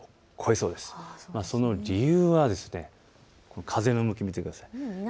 その理由は、風の向きを見てください。